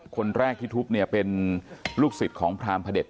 คนแรกที่ทุบเนี่ยเป็นลูกศิษย์ของพรามพระเด็จ